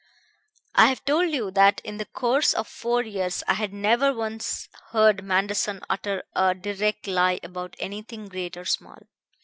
"I have told you that in the course of four years I had never once heard Manderson utter a direct lie about anything great or small.